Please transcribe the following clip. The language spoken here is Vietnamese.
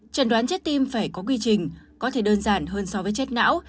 trần đoán chết tim phải có quy trình có thể đơn giản hơn so với chết não